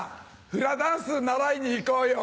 フラダンス習いに行こうよ。